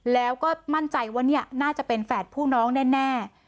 แล้วก็มั่นใจว่านี่น่าจะเป็นแฝดผู้น้องแน่